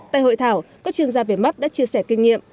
tại hội thảo các chuyên gia về mắt đã chia sẻ kinh nghiệm